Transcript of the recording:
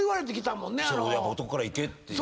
「男からいけ」っていう。